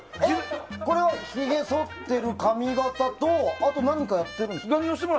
これはひげをそってる髪形とあと、何かやってるんですか？